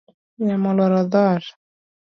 Yamo oluaro dhot